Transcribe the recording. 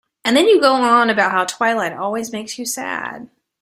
And then you go on about how twilight always makes you sad.